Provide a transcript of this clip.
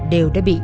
đều đã bị